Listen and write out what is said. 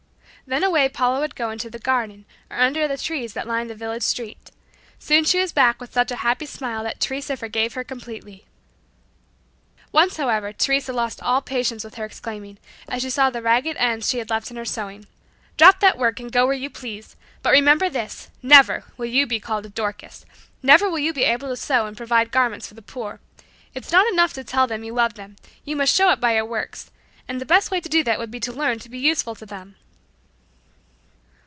Then away Paula would go into the garden or under the trees that lined the village street. Soon she was back with such a happy smile that Teresa forgave her completely. Once however Teresa lost all patience with her, exclaiming, as she saw the strange ragged ends she had left in her sewing, "Drop that work, and go where you please; but remember this, never will you be called a 'Dorcas.' Never will you be able to sew and provide garments for the poor. It's not enough to tell them you love them, you must show it by your works and the best way to do that would be to learn to be useful to them."